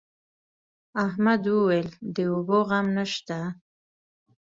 احمد وويل: د اوبو غم نشته.